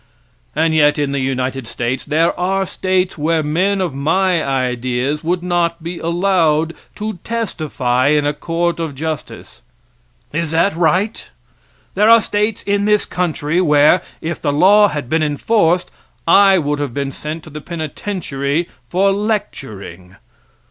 And yet in the United States there are states where men of my ideas would not be allowed to testify in a court of justice. Is that right? There are states in this country where, if the law had been enforced, I would have been sent to the penitentiary for lecturing.